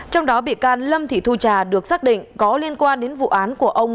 trong đó bị can lâm thị thu trà được xác định có liên quan đến vụ án của ông